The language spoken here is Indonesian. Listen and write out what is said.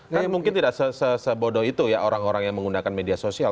kan mungkin tidak sebodoh itu ya orang orang yang menggunakan media sosial